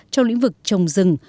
trong lĩnh vực trồng rừng